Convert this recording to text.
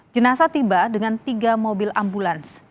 jenasa tiba dengan tiga mobil ambulans